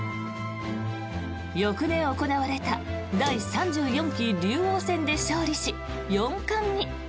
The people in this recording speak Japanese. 翌年行われた第３４期竜王戦で勝利し、四冠に。